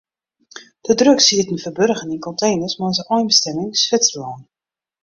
De drugs sieten ferburgen yn konteners mei as einbestimming Switserlân.